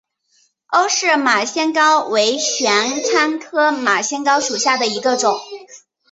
欧氏马先蒿为玄参科马先蒿属下的一个种。